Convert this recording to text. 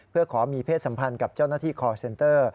เพื่อขอมีเพศสัมพันธ์กับเจ้าหน้าที่คอร์เซนเตอร์